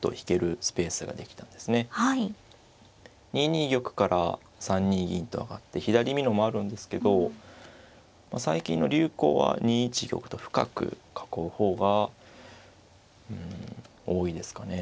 ２二玉から３二銀と上がって左美濃もあるんですけど最近の流行は２一玉と深く囲う方が多いですかね。